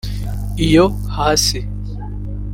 Iyo hasiii